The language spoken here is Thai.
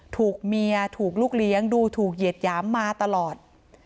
ถูกเมียถูกลูกเลี้ยงดูถูกเหยียดหยามมาตลอด